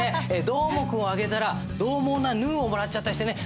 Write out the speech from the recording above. どーもくんをあげたらどう猛なヌーをもらっちゃったりしてね。